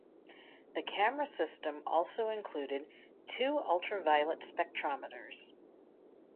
The camera system also included two ultraviolet spectrometers.